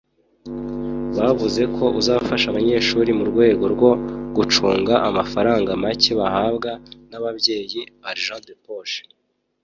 bavuze ko uzafasha abanyeshuri mu rwego rwo gucunga amafaranga make bahabwa n’ababyeyi (Argent de Poche